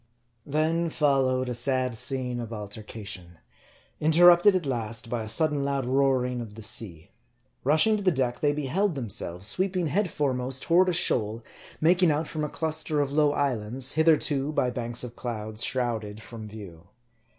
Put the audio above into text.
Then followed a sad scene of altercation ; interrupted at last by a sudden loud roaring of the sea. Rushing to the deck, they beheld themselves sweeping head foremost toward a shoal making out from a cluster of low islands, hitherto, by banks of clouds, shrouded from view.